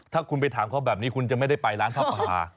ถ้าคุณไปถามเขาแบบนี้คุณจะไม่ได้ไปร้านผ้าป่า